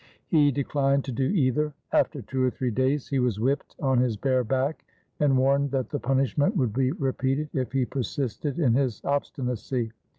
He declined to do either. After two or three days he was whipped on his bare back and warned that the punishment would be repeated if he persisted in his obstinacy.